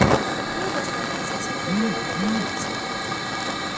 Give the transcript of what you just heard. Todas las franquicias son propiedad de corporaciones.